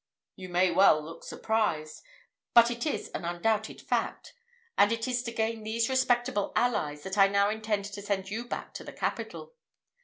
You may well look surprised; but it is an undoubted fact; and it is to gain these respectable allies that I now intend to send you back to the capital.